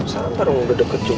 samar udah deket juga